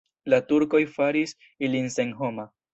La turkoj faris ilin senhoma.